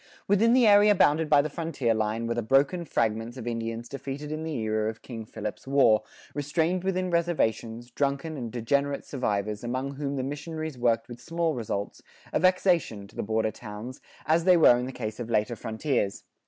[46:2] Within the area bounded by the frontier line, were the broken fragments of Indians defeated in the era of King Philip's War, restrained within reservations, drunken and degenerate survivors, among whom the missionaries worked with small results, a vexation to the border towns,[46:3] as they were in the case of later frontiers.